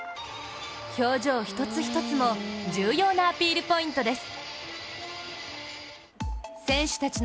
表情一つ一つも重要なアピールポイントです。